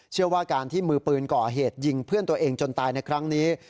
เชื่อว่าการที่มือปืนก่อเหตุยิงเพื่อนตัวเองจนตายในครั้งนี้